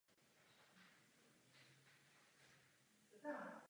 Pro jednotlivé agentury je rovněž velmi důležitá proporcionalita metody.